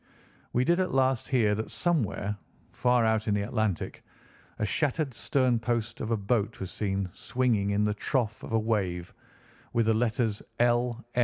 We did at last hear that somewhere far out in the Atlantic a shattered stern post of a boat was seen swinging in the trough of a wave, with the letters "L.